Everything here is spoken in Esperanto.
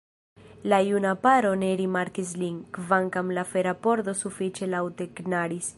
La juna paro ne rimarkis lin, kvankam la fera pordo sufiĉe laŭte knaris.